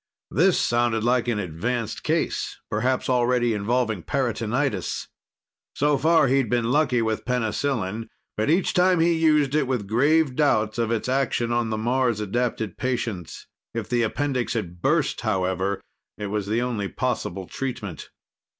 This sounded like an advanced case, perhaps already involving peritonitis. So far, he'd been lucky with penicillin, but each time he used it with grave doubts of its action on the Mars adapted patients. If the appendix had burst, however, it was the only possible treatment.